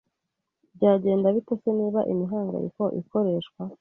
Byagenda bite se niba imihangayiko ikoreshwa